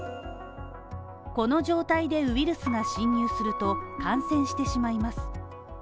この状態でウイルスが侵入すると、感染してしまいます。